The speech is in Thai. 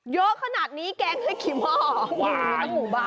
เยอะขนาดนี้แก๊งได้กินหม้อ